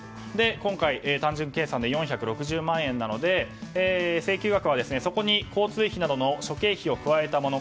今回、単純計算で４６０万円なので請求額はそこに交通費などの諸経費を加えたもの。